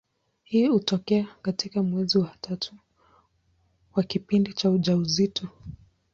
Hii hutokea katika mwezi wa tatu wa kipindi cha ujauzito.